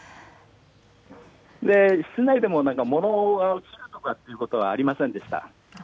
室内でも物が落ちたりということはありませんでした。